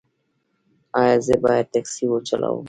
ایا زه باید ټکسي وچلوم؟